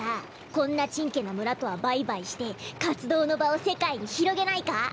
こんなちんけなむらとはバイバイしてかつどうのばをせかいにひろげないか？